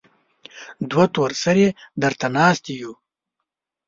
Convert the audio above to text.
دوه تور سرې درته ناستې يو.